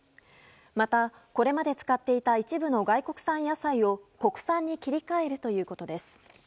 また、これまで使っていた一部の外国産野菜を国産に切り替えるということです。